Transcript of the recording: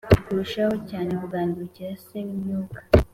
kurushaho cyane kugandukira Se w imyuka